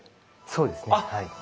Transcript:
そうですねはい。